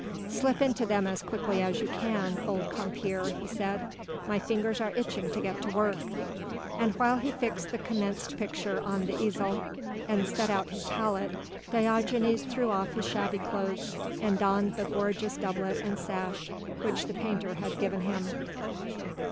"Slip into them as quickly as you can, old compeer," he said, "my fingers are itching to get to work." And while he fixed the commenced picture on the easel and set out his palette, Diogenes threw off his shabby clothes and donned the gorgeous doublet and sash which the painter had given him.